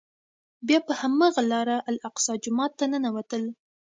بیا په هماغه لاره الاقصی جومات ته ننوتل.